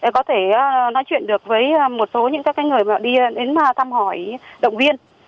có thể nói chuyện được với một số những người đi đến thăm hỏi động viên